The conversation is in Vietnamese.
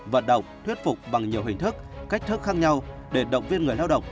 vận động thuyết phục bằng nhiều hình thức cách thức khác nhau để động viên người lao động